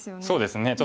そうですね。